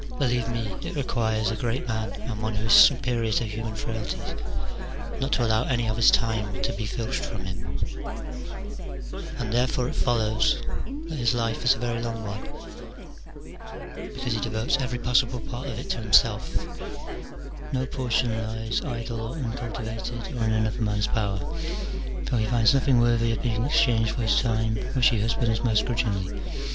Believe me, it requires a great man and one who is superior to human frailties not to allow any of his time to be filched from him : 298 MINOR DIALOGDES. [bK. X. and therefore it follows that his life is a very long one, because he devotes every possible part of it to himself : no portion lies idle or uncultivated, or in another man's power ; for he finds nothing worthy of being exchanged for his time, which he husbands most grudgingly.